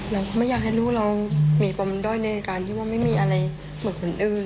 เราไม่อยากให้ลูกเรามีปมด้อยในการที่ว่าไม่มีอะไรเหมือนคนอื่น